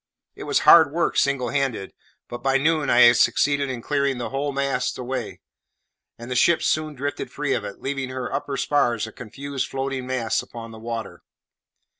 It was hard work single handed; but by noon I had succeeded in clearing the whole mass away, and the ship soon drifted free of it, leaving her upper spars a confused floating mass upon the water.